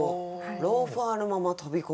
「ローファーのまま飛び込もう」。